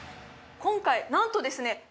今回なんとですね